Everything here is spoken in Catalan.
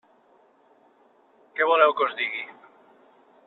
Què voleu que us digui?